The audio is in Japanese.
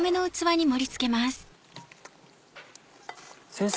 先生